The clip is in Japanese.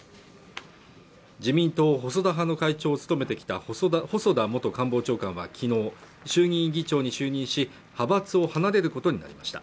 自民党細田派の会長を務めてきた細田元官房長官はきのう衆議院議長に就任し派閥を離れることになりました